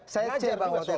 saya ngajar juga sosial